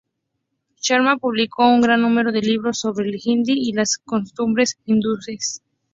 Sharma publicó un gran número de libros sobre el hindi y las costumbres hindúes.